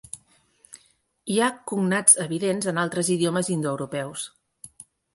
Hi ha cognats evidents en altres idiomes indoeuropeus.